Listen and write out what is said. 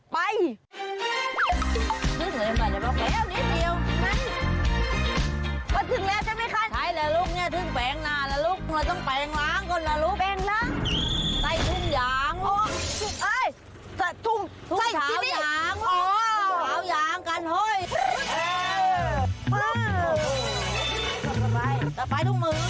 ไปไหมลูกไปหรือไม่รู้ไป